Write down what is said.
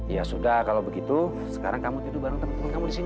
ya sudah kalau begitu sekarang kamu tidur bareng teman teman kamu di sini